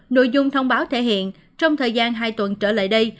nội dung thông báo thể hiện trong thời gian hai tuần trở lại đây